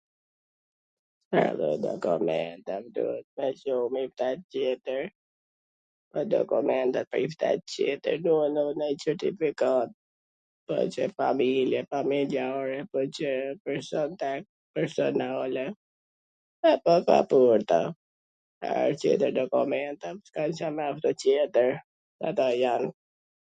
Edhe dokumentat duhet me Cu me pa tjetwr, po dokumenta prift a tjetwr duan edhe Certifikat, po qe familje, familjare, po qe person, personale, .... ata jan